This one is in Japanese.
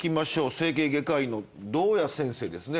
整形外科医の銅冶先生ですね。